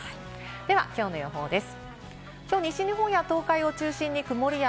ではきょうの予報です。